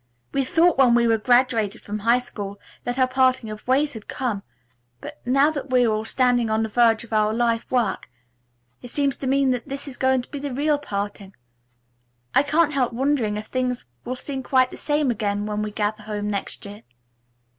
We thought when we were graduated from high school that our parting of the ways had come, but now that we are all standing on the verge of our life work, it seems to me that this is going to be the real parting. I can't help wondering if things will seem quite the same again when we gather home next year."